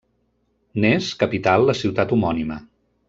N'és capital la ciutat homònima.